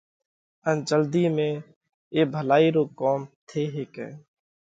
ان جلڌِي ۾ اي ڀلائِي رو ڪوم ٿي هيڪئھ۔